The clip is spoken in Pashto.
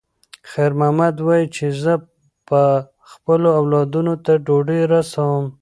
خیر محمد وایي چې زه به خپلو اولادونو ته ډوډۍ رسوم.